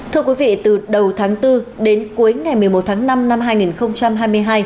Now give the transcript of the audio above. thưa quý vị từ đầu tháng bốn đến cuối ngày một mươi một tháng năm năm hai nghìn hai mươi hai